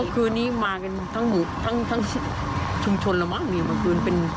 เมื่อคืนนี้มากันทั้งชุมชนแล้วมากนี่เมื่อคืน